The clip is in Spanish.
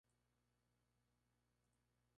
La angustia lo llevó a a ese fatal desenlace.